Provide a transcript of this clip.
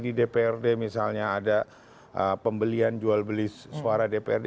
di dprd misalnya ada pembelian jual beli suara dprd